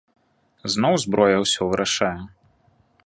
Зноў зброя ўсё вырашае.